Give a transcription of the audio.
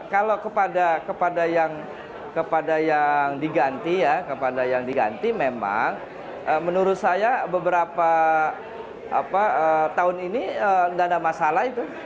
kalau kepada yang diganti ya kepada yang diganti memang menurut saya beberapa tahun ini tidak ada masalah itu